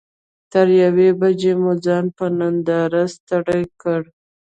تر یوې بجې مو ځان په بنډار ستړی کړ.